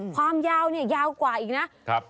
ความยาวเนี่ยยาวกว่าอีกนะ